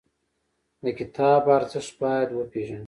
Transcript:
د کتاب ارزښت باید وپېژنو.